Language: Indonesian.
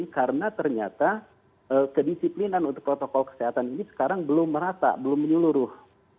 karena ternyata kedisiplinan untuk protokol kesehatan ini sekarang belum merata belum menyeluruh